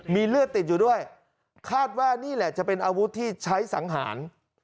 มีเลือดติดอยู่ด้วยคาดว่านี่แหละจะเป็นอาวุธที่ใช้สังหาร